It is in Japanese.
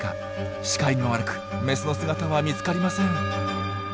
視界が悪くメスの姿は見つかりません。